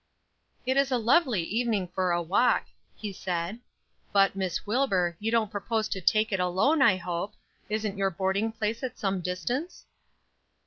"It is a lovely evening for a walk," he said. "But, Miss Wilbur, you don't propose to take it alone, I hope! Isn't your boarding place at some distance?"